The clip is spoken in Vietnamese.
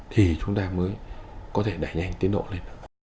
thì chúng ta mới có thể đẩy nhanh tiến độ lên